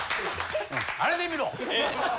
あれで見ろ！